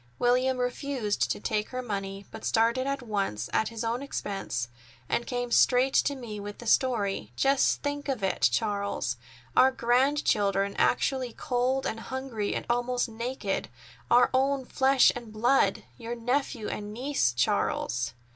William refused to take her money, but started at once, at his own expense, and came straight to me with the story. Just think of it, Charles! Our grandchildren actually cold and hungry and almost naked—our own flesh and blood! Your nephew and niece, Charles."